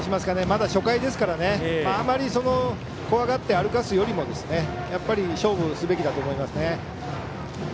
まだ初回ですからねあまり、怖がって歩かせるよりも勝負すべきだと思います。